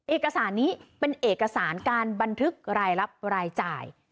เอกสารนี้เป็นเอกสารการบันทึกรายรับรายจ่าย